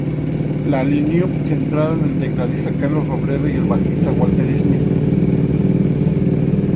La lineup centrada en el tecladista Carlos Robledo y el bajista Walter Schmidt.